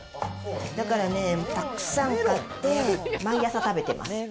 だからね、たくさん買って、毎朝食べてます。